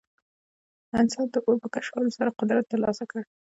انسان د اور په کشفولو سره قدرت ترلاسه کړ.